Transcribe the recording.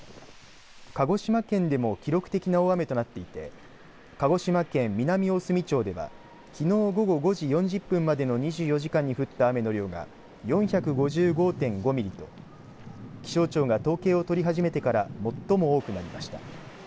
鹿児島県でも記録的な大雨となっていて鹿児島県南大隅町ではきのう午後５時４０分までの２４時間に降った雨の量が４５５．５ミリと気象庁が統計を取り始めてから最も多くなりました。